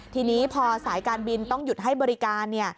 ทีนี้พอสายการบินต้องหยุดให้บริการ